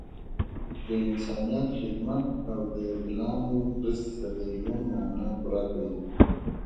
د انسانیت خدمت او د بلانو مرستې سره د ژوند معنا پوره کړئ.